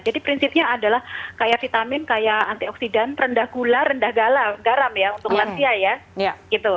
jadi prinsipnya adalah kaya vitamin kaya antioksidan rendah gula rendah garam ya untuk lansia ya